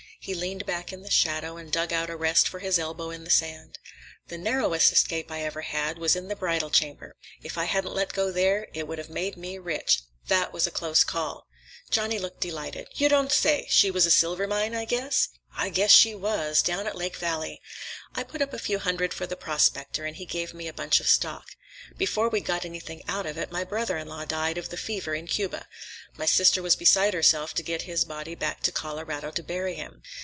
He leaned back in the shadow and dug out a rest for his elbow in the sand. "The narrowest escape I ever had, was in the Bridal Chamber. If I hadn't let go there, it would have made me rich. That was a close call." Johnny looked delighted. "You don' say! She was silver mine, I guess?" "I guess she was! Down at Lake Valley. I put up a few hundred for the prospector, and he gave me a bunch of stock. Before we'd got anything out of it, my brother in law died of the fever in Cuba. My sister was beside herself to get his body back to Colorado to bury him.